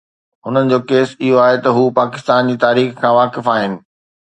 هنن جو ڪيس اهو آهي ته هو پاڪستان جي تاريخ کان واقف آهن.